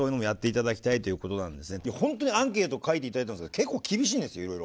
ホントにアンケート書いて頂いたんですけど結構厳しいんですよいろいろ。